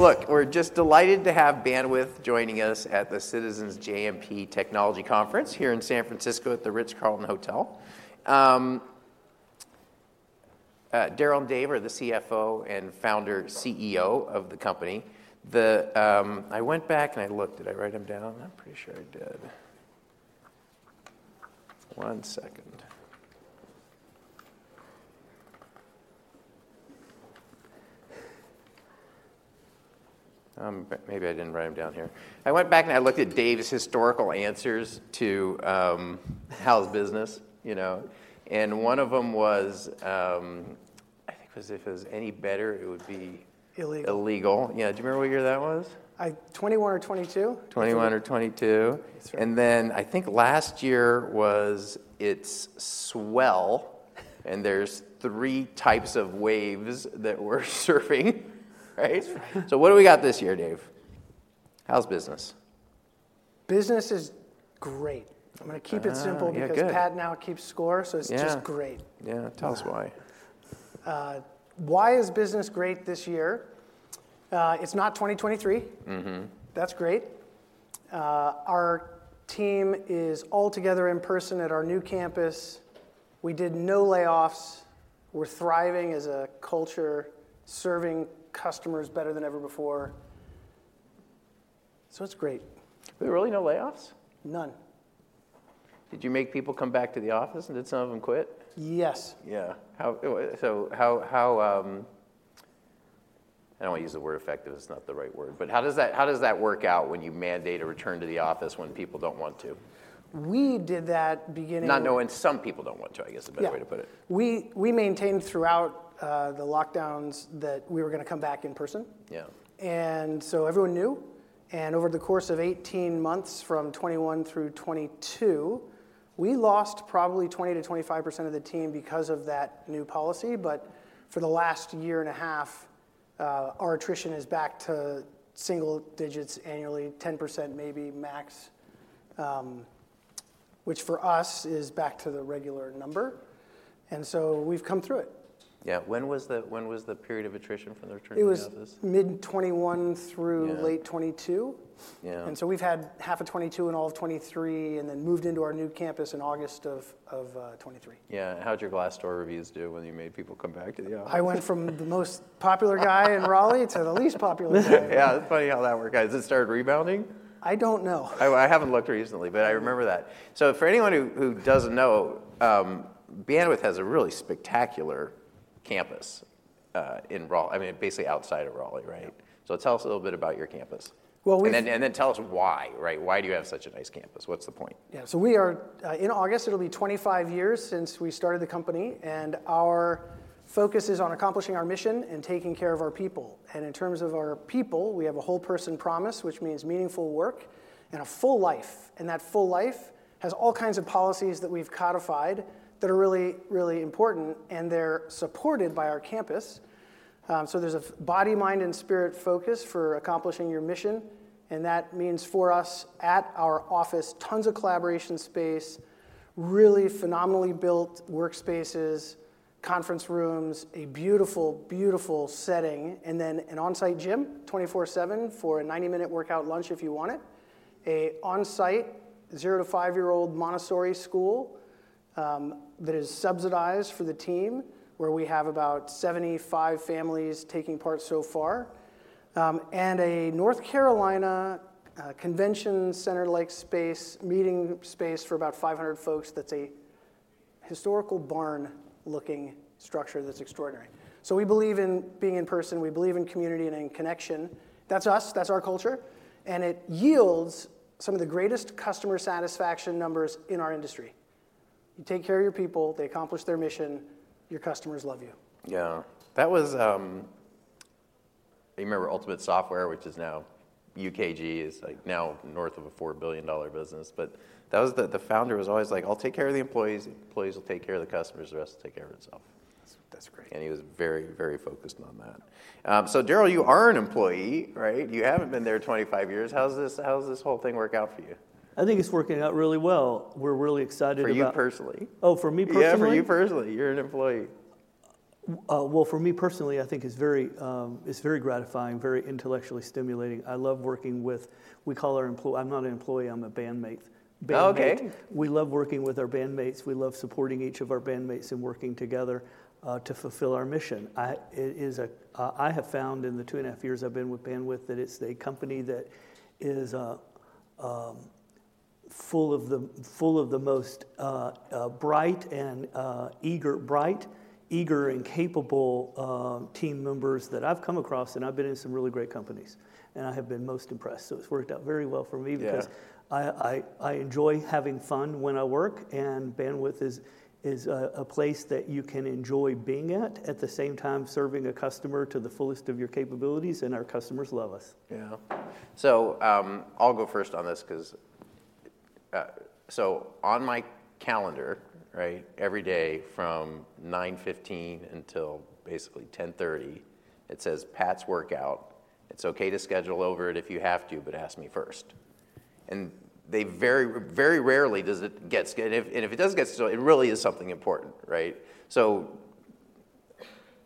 Look, we're just delighted to have Bandwidth joining us at the Citizens JMP Technology Conference here in San Francisco at the Ritz-Carlton Hotel. Daryl and Dave are the CFO and founder, CEO of the company. I went back and I looked. Did I write them down? I'm pretty sure I did. One second. But maybe I didn't write them down here. I went back and I looked at Dave's historical answers to how's business, you know, and one of them was, I think it was, "If it was any better, it would be- Illegal.... illegal." Yeah. Do you remember what year that was? 2021 or 2022. 2021 or 2022. That's right. And then I think last year was, "It's swell,"... and there's three types of waves that we're surfing, right? That's right. So what do we got this year, Dave? How's business? Business is great. Ah, yeah, good. I'm gonna keep it simple because Pat now keeps score- Yeah... so it's just great. Yeah. Tell us why. Why is business great this year? It's not 2023. Mm-hmm. That's great. Our team is all together in person at our new campus. We did no layoffs. We're thriving as a culture, serving customers better than ever before. So it's great. Were there really no layoffs? None. Did you make people come back to the office, and did some of them quit? Yes. Yeah. I don't want to use the word effective, it's not the right word, but how does that work out when you mandate a return to the office when people don't want to? We did that beginning- Not knowing some people don't want to, I guess. Yeah... a better way to put it. We maintained throughout the lockdowns that we were gonna come back in person. Yeah. And so everyone knew, and over the course of 18 months, from 2021 through 2022, we lost probably 20%-25% of the team because of that new policy, but for the last year and a half, our attrition is back to single digits annually, 10%, maybe max, which for us is back to the regular number, and so we've come through it. Yeah. When was the period of attrition for the return to the office? It was mid-2021 through- Yeah... late 2022. Yeah. And so we've had half of 2022 and all of 2023, and then moved into our new campus in August of 2023. Yeah. How'd your Glassdoor reviews do when you made people come back to the office? I went from the most popular guy in Raleigh to the least popular guy. Yeah, it's funny how that works. Has it started rebounding? I don't know. I haven't looked recently, but I remember that. So for anyone who doesn't know, Bandwidth has a really spectacular campus in Raleigh, I mean, basically outside of Raleigh, right? Yeah. So tell us a little bit about your campus? Well, we- Then tell us why, right? Why do you have such a nice campus? What's the point? Yeah. So we are in August, it'll be 25 years since we started the company, and our focus is on accomplishing our mission and taking care of our people. And in terms of our people, we have a whole person promise, which means meaningful work and a full life, and that full life has all kinds of policies that we've codified that are really, really important, and they're supported by our campus. So there's a body, mind, and spirit focus for accomplishing your mission, and that means, for us at our office, tons of collaboration space, really phenomenally built workspaces, conference rooms, a beautiful, beautiful setting, and then an on-site gym, 24/7, for a 90-minute workout lunch if you want it. An on-site, zero to five-year-old Montessori school that is subsidized for the team, where we have about 75 families taking part so far. And a North Carolina convention center-like space, meeting space for about 500 folks that's a historical barn-looking structure that's extraordinary. So we believe in being in person. We believe in community and in connection. That's us, that's our culture, and it yields some of the greatest customer satisfaction numbers in our industry. You take care of your people, they accomplish their mission, your customers love you. Yeah. That was... You remember Ultimate Software, which is now UKG, is, like, now north of a $4 billion business, but that was the founder was always like: "I'll take care of the employees, the employees will take care of the customers, the rest will take care of itself." That's, that's great. He was very, very focused on that. So, Daryl, you are an employee, right? You haven't been there 25 years. How's this, how's this whole thing work out for you? I think it's working out really well. We're really excited about- For you personally. Oh, for me personally? Yeah, for you personally. You're an employee. Well, for me personally, I think it's very, it's very gratifying, very intellectually stimulating. I love working with, I'm not an employee, I'm a bandmate. Bandmate. Okay. We love working with our bandmates. We love supporting each of our bandmates and working together to fulfill our mission. I have found in the 2.5 years I've been with Bandwidth that it's a company that is full of the most bright and eager and capable team members that I've come across, and I've been in some really great companies, and I have been most impressed. So it's worked out very well for me- Yeah... because I enjoy having fun when I work, and Bandwidth is a place that you can enjoy being at the same time serving a customer to the fullest of your capabilities, and our customers love us. Yeah. So, I'll go first on this, 'cause. So on my calendar, right, every day from 9:15 A.M. until basically 10:30 A.M., it says, "Pat's workout. It's okay to schedule over it if you have to, but ask me first." And they very, very rarely does it get scheduled, and if it does get so, it really is something important, right? So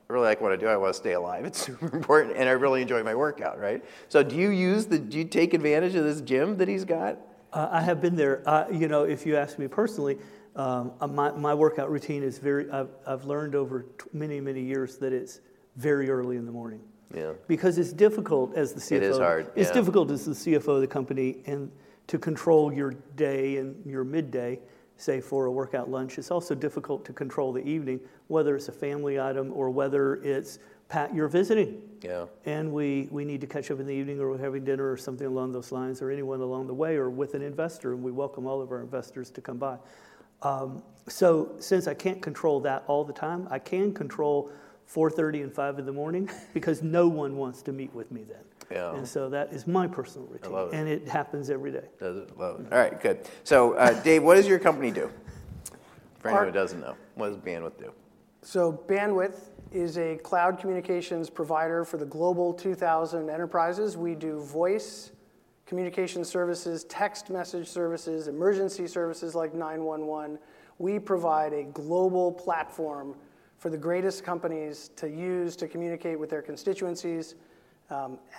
really, like, what I do, I wanna stay alive. It's super important, and I really enjoy my workout, right? So do you take advantage of this gym that he's got? I have been there. You know, if you ask me personally, my workout routine is very... I've learned over many, many years that it's very early in the morning. Yeah. Because it's difficult as the CFO- It is hard, yeah. It's difficult, as the CFO of the company, and to control your day and your midday, say, for a workout lunch. It's also difficult to control the evening, whether it's a family item or whether it's Pat you're visiting. Yeah. We need to catch up in the evening, or we're having dinner or something along those lines, or anyone along the way, or with an investor, and we welcome all of our investors to come by. So since I can't control that all the time, I can control 4:30 A.M. and 5:00 A.M. because no one wants to meet with me then. Yeah. That is my personal routine. I love it. It happens every day. Does it? Love it. All right, good. So, Dave, what does your company do? For anyone who doesn't know, what does Bandwidth do? Bandwidth is a cloud communications provider for the Global 2000 enterprises. We do voice communication services, text message services, emergency services like 911. We provide a global platform for the greatest companies to use to communicate with their constituencies,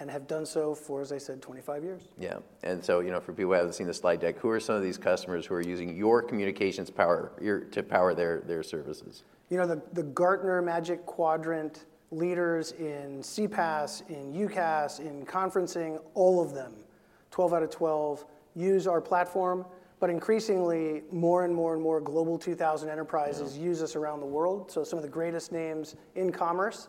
and have done so for, as I said, 25 years. Yeah. And so, you know, for people who haven't seen the slide deck, who are some of these customers who are using your communications power to power their services? You know, the Gartner Magic Quadrant leaders in CPaaS, in UCaaS, in conferencing, all of them, 12 out of 12, use our platform, but increasingly, more, and more, and more Global 2000 enterprises- Yeah... use us around the world. So some of the greatest names in commerce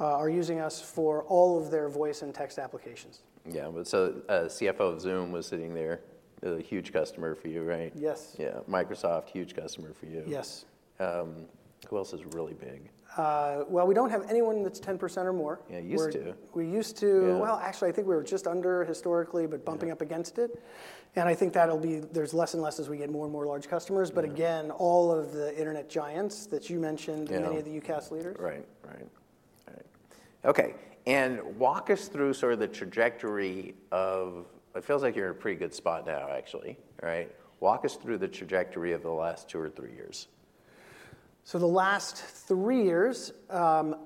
are using us for all of their voice and text applications. Yeah, but so, CFO of Zoom was sitting there, a huge customer for you, right? Yes. Yeah. Microsoft, huge customer for you. Yes. Who else is really big? Well, we don't have anyone that's 10% or more. Yeah, you used to. We used to. Yeah. Well, actually, I think we were just under historically- Yeah... but bumping up against it. And I think that'll be, there's less and less as we get more and more large customers. Yeah. But again, all of the internet giants that you mentioned- Yeah... and many of the UCaaS leaders. Right. Right. Right. Okay, and walk us through sort of the trajectory of... It feels like you're in a pretty good spot now, actually. Right? Walk us through the trajectory of the last two or three years. So the last three years,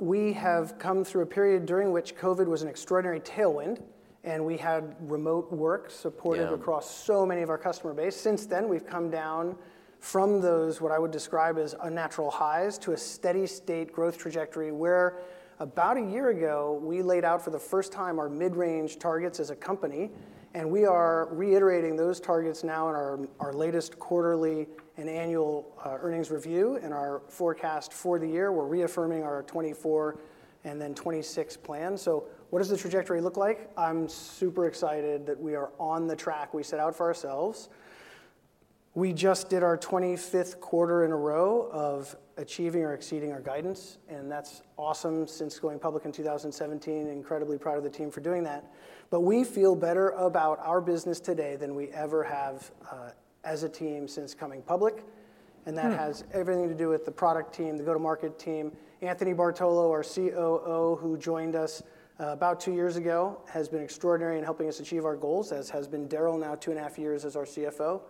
we have come through a period during which COVID was an extraordinary tailwind, and we had remote work supported- Yeah... across so many of our customer base. Since then, we've come down from those, what I would describe, as unnatural highs to a steady state growth trajectory, where about a year ago, we laid out for the first time our mid-range targets as a company, and we are reiterating those targets now in our, our latest quarterly and annual, earnings review and our forecast for the year. We're reaffirming our 2024 and then 2026 plan. So what does the trajectory look like? I'm super excited that we are on the track we set out for ourselves. We just did our 25th quarter in a row of achieving or exceeding our guidance, and that's awesome, since going public in 2017. Incredibly proud of the team for doing that. But we feel better about our business today than we ever have, as a team since coming public. That has everything to do with the product team, the go-to-market team. Anthony Bartolo, our COO, who joined us about two years ago, has been extraordinary in helping us achieve our goals, as has been Daryl, now two and a half years as our CFO.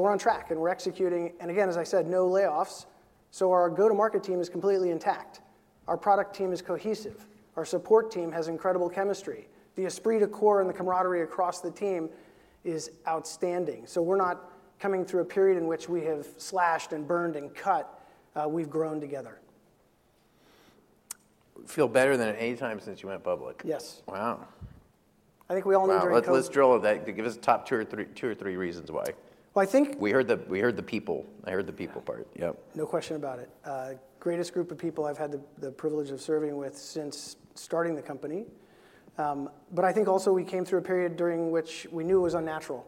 We're on track, and we're executing, and again, as I said, no layoffs, so our go-to-market team is completely intact. Our product team is cohesive. Our support team has incredible chemistry. The esprit de corps and the camaraderie across the team is outstanding, so we're not coming through a period in which we have slashed and burned and cut. We've grown together. Feel better than any time since you went public? Yes. Wow! I think we all need to- Well, let's drill that. Give us the top two or three, two or three reasons why? Well, I think- We heard the people. I heard the people part. Yeah. Yep. No question about it. Greatest group of people I've had the privilege of serving with since starting the company. But I think also we came through a period during which we knew it was unnatural.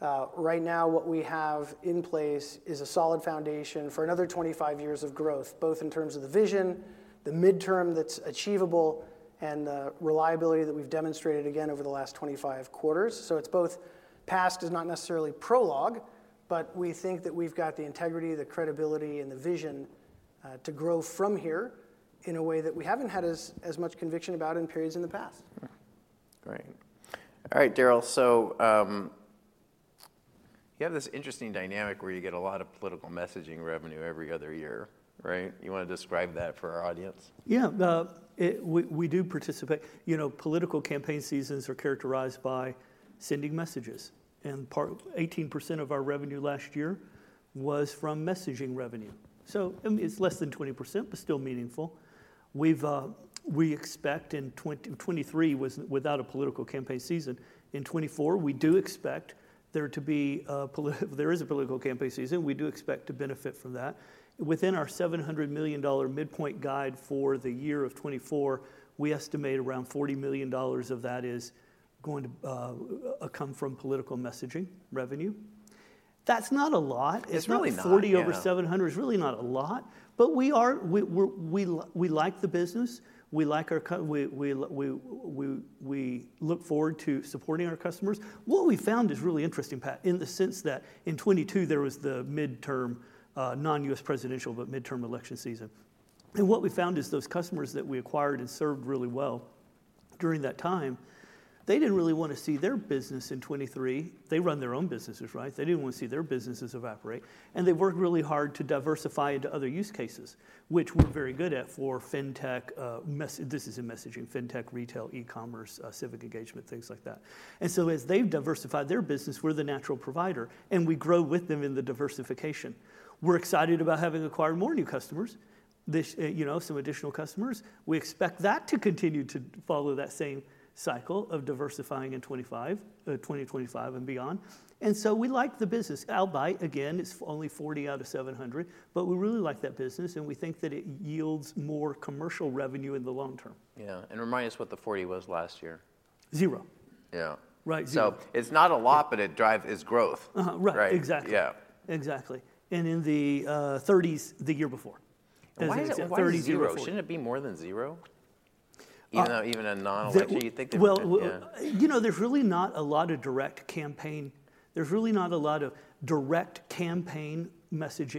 Right now, what we have in place is a solid foundation for another 25 years of growth, both in terms of the vision, the midterm that's achievable, and the reliability that we've demonstrated again over the last 25 quarters. So it's both past is not necessarily prologue, but we think that we've got the integrity, the credibility, and the vision, to grow from here in a way that we haven't had as much conviction about in periods in the past. Hmm. Great. All right, Daryl, so you have this interesting dynamic where you get a lot of political messaging revenue every other year, right? You wanna describe that for our audience? Yeah, we, we do participate. You know, political campaign seasons are characterized by sending messages, and 18% of our revenue last year was from messaging revenue. So, it's less than 20%, but still meaningful. We've, we expect in 2023 was without a political campaign season. In 2024, we do expect there to be a political campaign season. We do expect to benefit from that. Within our $700 million midpoint guide for the year of 2024, we estimate around $40 million of that is going to come from political messaging revenue. That's not a lot. It's really not, yeah. 40 over 700 is really not a lot, but we like the business, we like our customers. We look forward to supporting our customers. What we found is really interesting, Pat, in the sense that in 2022, there was the midterm, non-U.S. presidential, but midterm election season.... and what we found is those customers that we acquired and served really well during that time, they didn't really want to see their business in 2023. They run their own businesses, right? They didn't want to see their businesses evaporate, and they worked really hard to diversify into other use cases, which we're very good at for fintech, messaging. This is in messaging, fintech, retail, e-commerce, civic engagement, things like that. And so as they've diversified their business, we're the natural provider, and we grow with them in the diversification. We're excited about having acquired more new customers, you know, some additional customers. We expect that to continue to follow that same cycle of diversifying in 2025 and beyond. And so we like the business. Albeit, again, it's only 40 out of 700, but we really like that business, and we think that it yields more commercial revenue in the long term. Yeah. And remind us what the 40 was last year? Zero. Yeah. Right, zero. It's not a lot, but it's growth. Uh-huh. Right? Exactly. Yeah. Exactly. And in the thirties, the year before. Why is it- Thirties- Why is it zero? Shouldn't it be more than zero? Uh- Even though, even a non-election, you think it would, yeah. Well, you know, there's really not a lot of direct campaign messaging.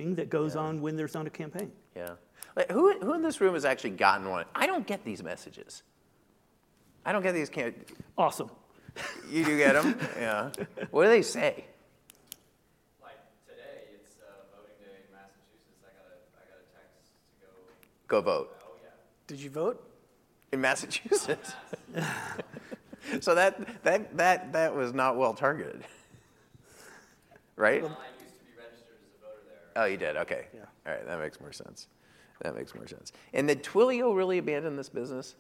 Yeah... that goes on when there's not a campaign. Yeah. Like, who, who in this room has actually gotten one? I don't get these messages. I don't get these ca- Awesome. You do get them? Yeah. What do they say? Like today, it's voting day in Massachusetts. I got a, I got a text to go... Go vote. Oh, yeah. Did you vote? In Massachusetts? Oh, yes. So that was not well targeted, right? Well, I used to be registered as a voter there. Oh, you did? Okay. Yeah. All right, that makes more sense. That makes more sense. Did Twilio really abandon this business?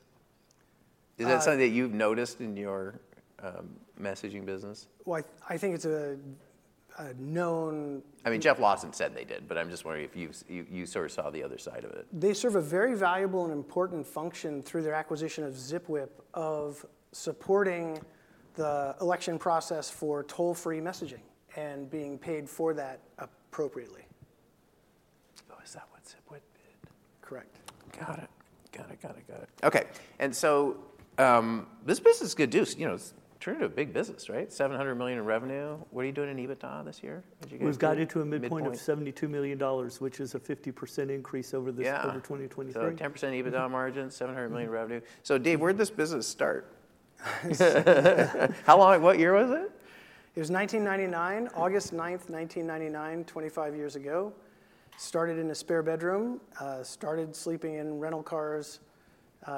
Is that something that you've noticed in your, messaging business? Well, I think it's a known- I mean, Jeff Lawson said they did, but I'm just wondering if you've sort of saw the other side of it. They serve a very valuable and important function through their acquisition of Zipwhip, of supporting the election process for toll-free messaging and being paid for that appropriately. Oh, is that what Zipwhip did? Correct. Got it. Got it, got it, got it. Okay, and so, this business is good too, you know, it's turned into a big business, right? $700 million in revenue. What are you doing in EBITDA this year, would you guys say? We've guided to a midpoint- Midpoint... of $72 million, which is a 50% increase over this- Yeah... over 2023. So 10% EBITDA margin, $700 million in revenue. So Dave, where'd this business start? How long, what year was it? It was 1999. August 9, 1999, 25 years ago, started in a spare bedroom. Started sleeping in rental cars,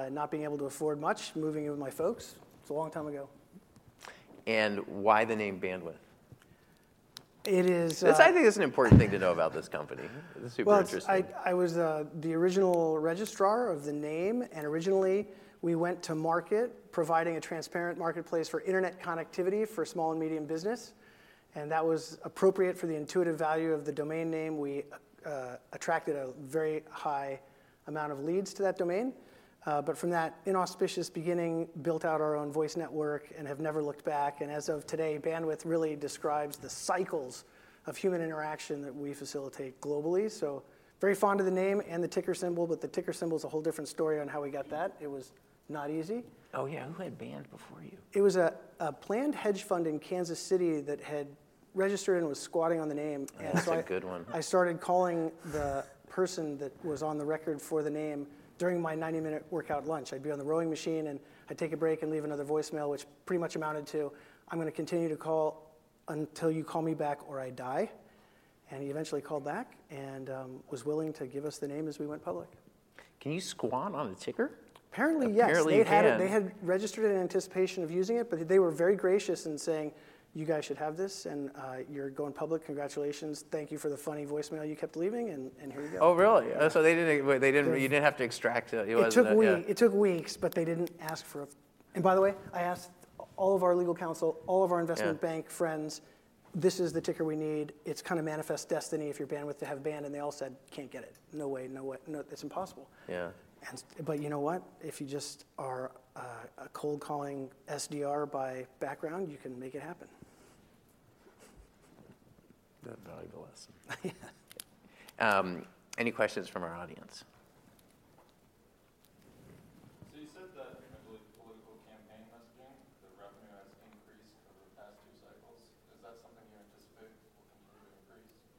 not being able to afford much, moving in with my folks. It's a long time ago. Why the name Bandwidth? It is. This, I think, is an important thing to know about this company. It's super interesting. Well, I was the original registrar of the name, and originally, we went to market providing a transparent marketplace for internet connectivity for small and medium business, and that was appropriate for the intuitive value of the domain name. We attracted a very high amount of leads to that domain. But from that inauspicious beginning, built out our own voice network and have never looked back, and as of today, Bandwidth really describes the cycles of human interaction that we facilitate globally. So very fond of the name and the ticker symbol, but the ticker symbol is a whole different story on how we got that. It was not easy. Oh, yeah, who had Band before you? It was a planned hedge fund in Kansas City that had registered and was squatting on the name. And so I- That's a good one. I started calling the person that was on the record for the name during my 90-minute workout lunch. I'd be on the rowing machine, and I'd take a break and leave another voicemail, which pretty much amounted to, "I'm gonna continue to call until you call me back, or I die." And he eventually called back and was willing to give us the name as we went public. Can you squat on a ticker? Apparently, yes. Apparently, you can. They had registered it in anticipation of using it, but they were very gracious in saying, "You guys should have this, and you're going public. Congratulations. Thank you for the funny voicemail you kept leaving, and here you go. Oh, really? Yeah. So they didn't- Yeah... you didn't have to extract, it wasn't, yeah. It took week. It took weeks, but they didn't ask for a—and by the way, I asked all of our legal counsel, all of our investment bank friends- Yeah... "This is the ticker we need. It's kind of manifest destiny if you're Bandwidth to have BAND," and they all said, "Can't get it. No way. No what, no, it's impossible. Yeah. You know what? If you just are a cold-calling SDR by background, you can make it happen. The valuable lesson. Any questions from our audience? So you said that, you know, the political campaign messaging, the revenue has increased over the past two cycles. Is that something you anticipate will continue to increase?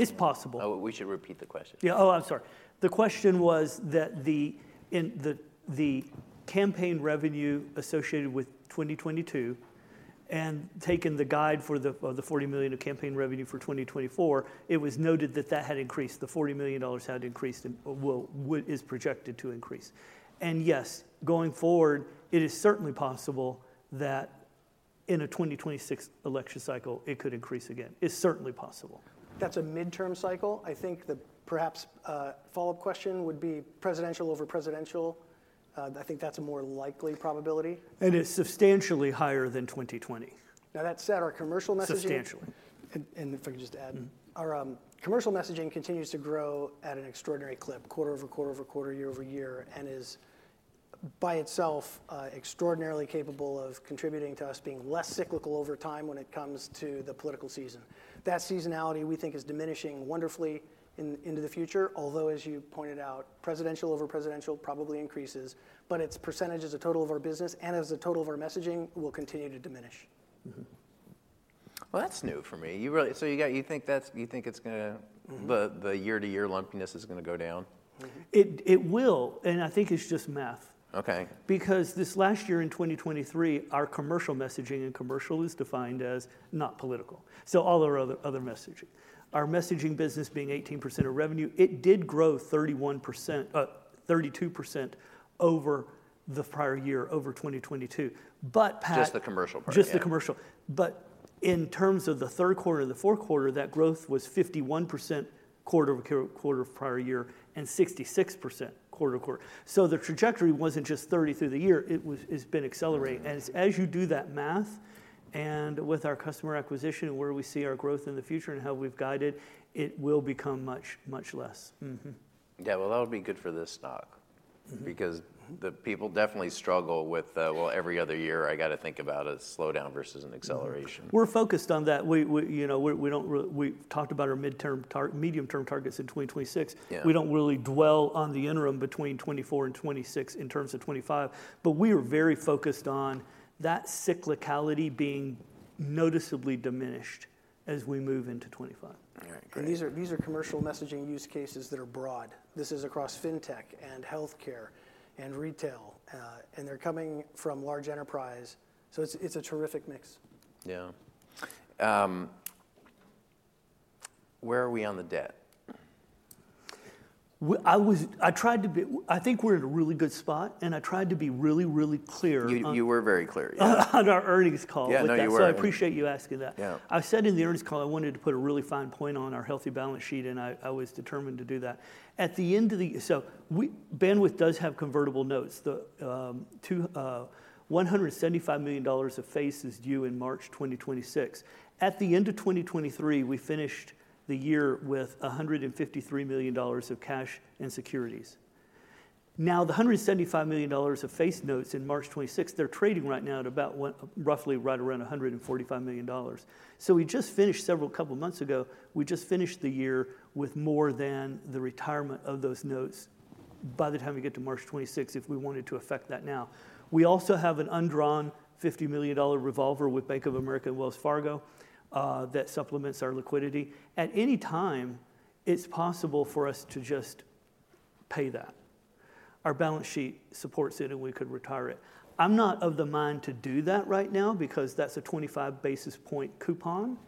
It's possible. Oh, we should repeat the question. Yeah. Oh, I'm sorry. The question was that the, in the campaign revenue associated with 2022, and taking the guide for the $40 million of campaign revenue for 2024, it was noted that that had increased. The $40 million had increased and, well, is projected to increase. And yes, going forward, it is certainly possible that in a 2026 election cycle, it could increase again. It's certainly possible. That's a midterm cycle. I think the perhaps, follow-up question would be presidential over presidential. I think that's a more likely probability. It's substantially higher than 2020. Now, that said, our commercial messaging- Substantially... and if I could just add. Mm-hmm. Our commercial messaging continues to grow at an extraordinary clip, quarter-over-quarter-over-quarter, year-over-year, and is by itself extraordinarily capable of contributing to us being less cyclical over time when it comes to the political season. That seasonality, we think, is diminishing wonderfully into the future, although as you pointed out, presidential over presidential probably increases, but its percentage as a total of our business and as a total of our messaging will continue to diminish. Mm-hmm.... Well, that's new for me. You really, so you got- you think that's, you think it's gonna- Mm-hmm. The year-to-year lumpiness is gonna go down? Mm-hmm. It will, and I think it's just math. Okay. Because this last year in 2023, our commercial messaging, and commercial is defined as not political, so all our other, other messaging. Our messaging business being 18% of revenue, it did grow 31%, 32% over the prior year, over 2022. But Pat- Just the commercial part, yeah. Just the commercial. But in terms of the third quarter and the fourth quarter, that growth was 51% quarter-over-quarter of prior year, and 66% quarter-to-quarter. So the trajectory wasn't just 30 through the year, it was, it's been accelerating. Mm-hmm. As you do that math, and with our customer acquisition and where we see our growth in the future and how we've guided, it will become much, much less. Mm-hmm. Yeah, well, that'll be good for this stock. Mm-hmm. Because the people definitely struggle with, well, every other year, I gotta think about a slowdown versus an acceleration. We're focused on that. You know, we talked about our medium-term targets in 2026. Yeah. We don't really dwell on the interim between 2024 and 2026 in terms of 2025, but we are very focused on that cyclicality being noticeably diminished as we move into 2025. All right, great. These are, these are commercial messaging use cases that are broad. This is across fintech and healthcare and retail, and they're coming from large enterprise, so it's, it's a terrific mix. Yeah, where are we on the debt? I tried to be... I think we're in a really good spot, and I tried to be really, really clear on- You, you were very clear, yeah. On our earnings call about that. Yeah, no, you were. I appreciate you asking that. Yeah. I said in the earnings call, I wanted to put a really fine point on our healthy balance sheet, and I, I was determined to do that. Bandwidth does have convertible notes. The $175 million of face is due in March 2026. At the end of 2023, we finished the year with $153 million of cash and securities. Now, the $175 million of face notes in March 2026, they're trading right now at about, what, roughly right around $145 million. So we just finished a couple months ago, we just finished the year with more than the retirement of those notes by the time we get to March 2026, if we wanted to effect that now. We also have an undrawn $50 million revolver with Bank of America and Wells Fargo that supplements our liquidity. At any time, it's possible for us to just pay that. Our balance sheet supports it, and we could retire it. I'm not of the mind to do that right now, because that's a 25 basis points coupon,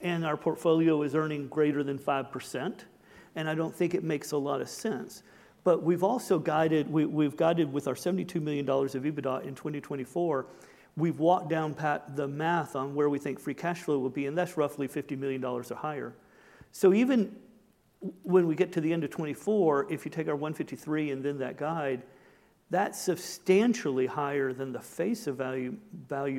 and our portfolio is earning greater than 5%, and I don't think it makes a lot of sense. But we've also guided with our $72 million of EBITDA in 2024. We've walked down, Pat, the math on where we think free cash flow will be, and that's roughly $50 million or higher. So even when we get to the end of 2024, if you take our $153 and then that guide, that's substantially higher than the face value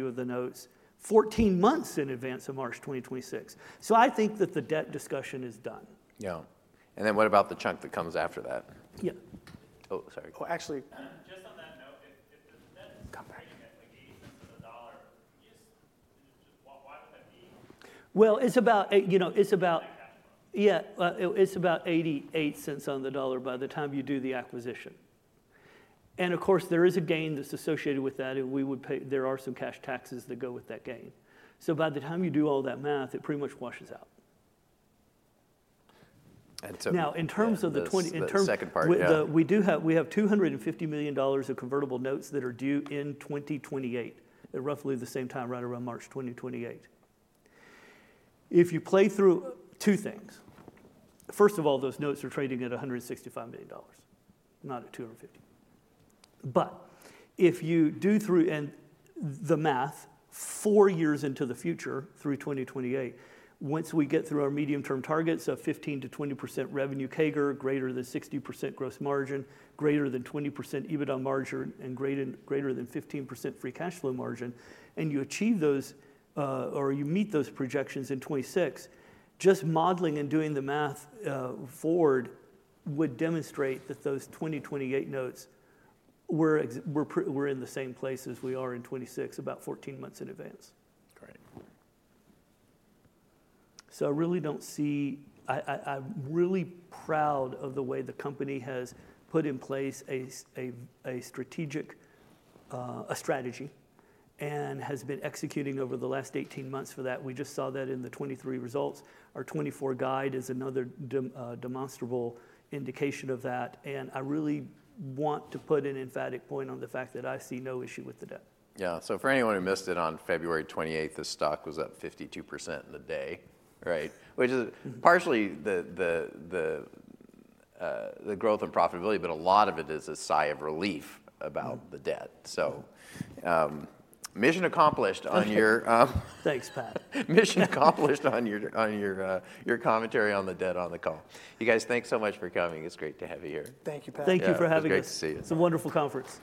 of the notes, 14 months in advance of March 2026. So I think that the debt discussion is done. Yeah. And then what about the chunk that comes after that? Yeah. Oh, sorry. Well, actually, just on that note, if the debt is trading at, like, 80 cents on the dollar, just why would that be? Well, it's about, you know, it's about 88 cents on the dollar by the time you do the acquisition. And of course, there is a gain that's associated with that, and we would pay, there are some cash taxes that go with that gain. So by the time you do all that math, it pretty much washes out. And so- Now, in terms of the 20. The second part, yeah. We have $250 million of convertible notes that are due in 2028, at roughly the same time, right around March 2028. If you play through... Two things: First of all, those notes are trading at $165 million, not at $250 million. But if you do the math, 4 years into the future, through 2028, once we get through our medium-term targets of 15%-20% revenue CAGR, greater than 60% gross margin, greater than 20% EBITDA margin, and greater than 15% free cash flow margin, and you achieve those, or you meet those projections in 2026, just modeling and doing the math forward, would demonstrate that those 2028 notes we're in the same place as we are in 2026, about 14 months in advance. Great. So I really don't see. I'm really proud of the way the company has put in place a strategic strategy, and has been executing over the last 18 months for that. We just saw that in the 2023 results. Our 2024 guide is another demonstrable indication of that, and I really want to put an emphatic point on the fact that I see no issue with the debt. Yeah, so for anyone who missed it, on February twenty-eighth, the stock was up 52% in the day, right? Which is partially the growth and profitability, but a lot of it is a sigh of relief- Mm... about the debt. So, mission accomplished on your, Thanks, Pat. Mission accomplished on your commentary on the debt on the call. You guys, thanks so much for coming. It's great to have you here. Thank you, Pat. Thank you for having us. It's great to see you. It's a wonderful conference.